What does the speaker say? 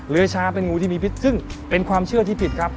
ช้างเป็นงูที่มีพิษซึ่งเป็นความเชื่อที่ผิดครับ